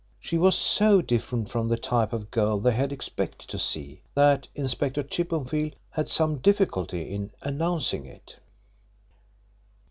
She was so different from the type of girl they had expected to see that Inspector Chippenfield had some difficulty in announcing it.